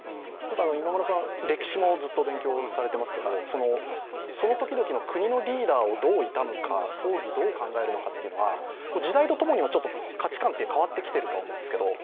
今村さん、歴史もずっと勉強されてますけどその時々の国のリーダーをどう悼むか、葬儀をどう考えるかというのは時代とともに価値観も変わってきてると思うんですけど。